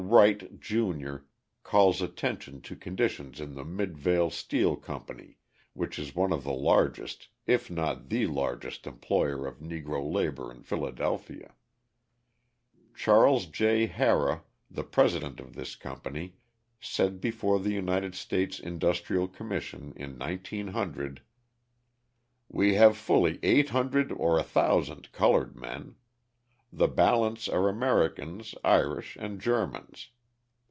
Wright, Jr., calls attention to conditions in the Midvale Steel Company, which is one of the largest, if not the largest employer of Negro labour in Philadelphia. Charles J. Harrah, the president of this company, said before the United States Industrial Commission in 1900: "We have fully 800 or 1,000 coloured men. The balance are Americans, Irish and Germans.